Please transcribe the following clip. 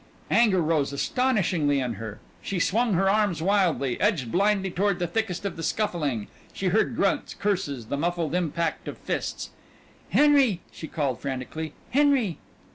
Anger rose astonishingly in her. She swung her arms wildly, edged blindly toward the thickest of the scuffling. She heard grunts, curses, the muffled impact of fists. "Henry!" she called frantically, "Henry!"